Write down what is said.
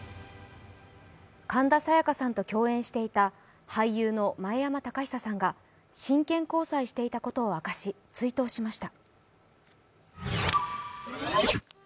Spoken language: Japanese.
神田沙也加さんと共演していた俳優の前山剛久さんが真剣交際していたことを明かし、追悼しました。